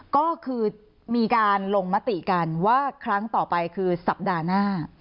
ก็คือมีการลงมติกันว่าครั้งต่อไปคือสัปดาห์หน้า